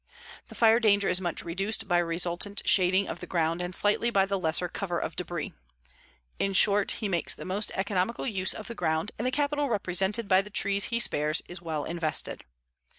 The fire danger is much reduced by resultant shading of the ground and slightly by the lesser cover of debris. In short, he makes the most economical use of the ground, and the capital represented by the trees he spares is well invested.